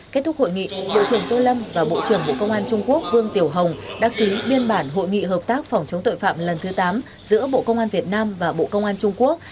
kết thúc hội nghị bộ trưởng tô lâm và bộ trưởng bộ công an trung quốc vương tiểu hồng đã ký biên bản hội nghị hợp tác phòng chống tội phạm lần thứ tám giữa bộ công an việt nam và bộ công an trung quốc